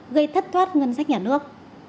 gây thất thoát ngân sách nhà nước